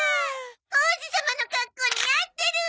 王子様の格好似合ってる！